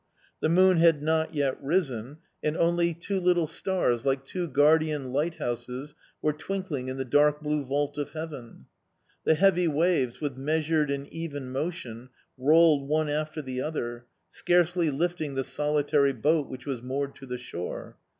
The moon had not yet risen, and only two little stars, like two guardian lighthouses, were twinkling in the dark blue vault of heaven. The heavy waves, with measured and even motion, rolled one after the other, scarcely lifting the solitary boat which was moored to the shore.